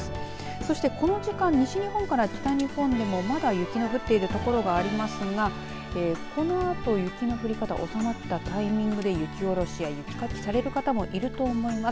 そしてこの時間、西日本から北日本でまだ雪の降っている所がありますがこのあと雪の降り方収まったタイミングで雪下ろしや雪かきされる方もいると思います。